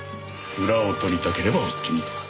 裏を取りたければお好きにどうぞ。